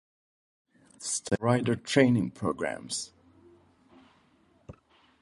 All fifty states have rider training programs.